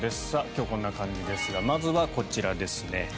今日こんな感じですがまずは、こちらですね。